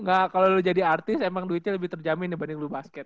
enggak kalau lo jadi artis emang duitnya lebih terjamin dibanding lo basket